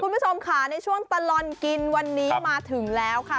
คุณผู้ชมค่ะในช่วงตลอดกินวันนี้มาถึงแล้วค่ะ